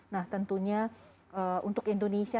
nah tentunya untuk indonesia